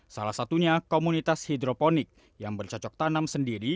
salah satunya komunitas hidroponik yang bercocok tanam sendiri